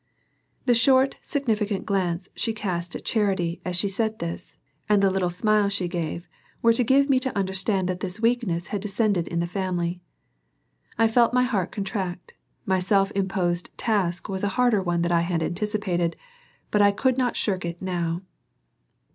The short, significant glance she cast at Charity as she said this, and the little smile she gave were to give me to understand that this weakness had descended in the family. I felt my heart contract; my self imposed task was a harder one than I had anticipated, but I could not shirk it now.